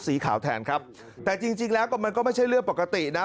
สีขาวแทนครับแต่จริงจริงแล้วก็มันก็ไม่ใช่เรื่องปกตินะ